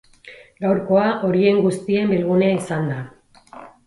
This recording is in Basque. Gaurkoa horien guztien bilgunea izan da.